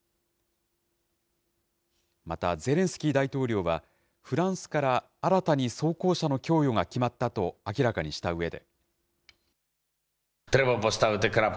またゼレンスキー大統領は、フランスから新たに装甲車の供与が決まったと明らかにしたうえで。